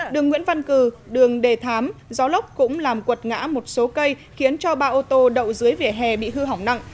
đường nguyễn văn cử đường đề thám gió lốc cũng làm quật ngã một số cây khiến cho ba ô tô đậu dưới vỉa hè bị hư hỏng nặng